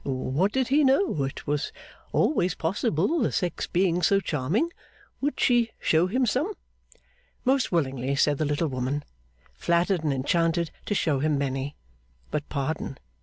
What did he know? It was always possible; the sex being so charming. Would she show him some? Most willingly, said the little woman. Flattered and enchanted to show him many. But pardon!